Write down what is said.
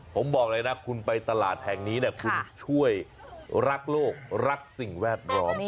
ผมบอกเลยนะคุณไปตลาดแห่งนี้คุณช่วยรักโลกรักสิ่งแวดล้อม